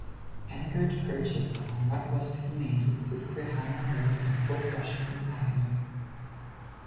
Engard purchased on what was to be named Susquehanna Road and Fort Washington Avenue.